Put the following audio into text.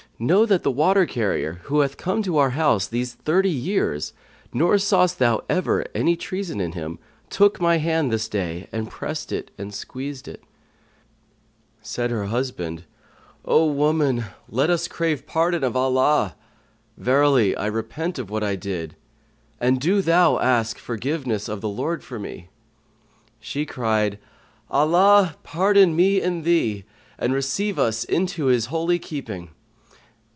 Know that the water carrier, who hath come to our house these thirty years, nor sawst thou ever any treason in him took my hand this day and pressed and squeezed it." Said her husband, "O woman, let us crave pardon of Allah! Verily, I repent of what I did, and do thou ask forgiveness of the Lord for me." She cried, "Allah pardon me and thee, and receive us into his holy keeping."